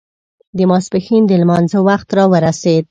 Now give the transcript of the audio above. د ماسپښين د لمانځه وخت را ورسېد.